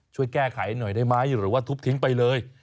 ช่วยแก้ไขหน่อยได้ไหมหรือว่าทุบทิ้งไปเลย